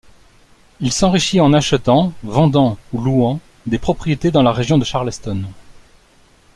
Il s'enrichit en achetant, vendant ou louant des propriétés dans la région de Charleston.